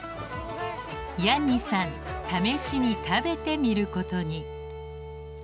ヤンニさん試しに食べてみることに。